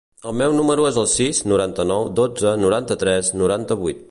El meu número es el sis, noranta-nou, dotze, noranta-tres, noranta-vuit.